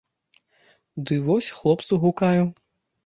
Ды вось хлопцу гукаю!